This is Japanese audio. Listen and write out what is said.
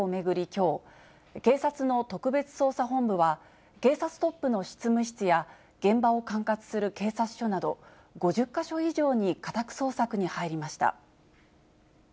きょう、警察の特別捜査本部は、警察トップの執務室や、現場を管轄する警察署など、５０か所以上に家宅捜索に入りました。